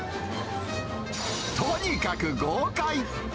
とにかく豪快。